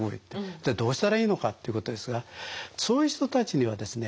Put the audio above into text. じゃあどうしたらいいのかっていうことですがそういう人たちにはですね